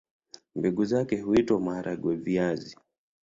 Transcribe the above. Mbegu zake huitwa maharagwe-viazi.